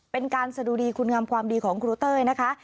เป็นการสะดุดีคุณงามความดีของครูเต้ยนะคะ